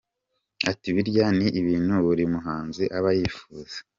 Ati ``Birya ni ibintu buri muhanzi aba yifuza’’.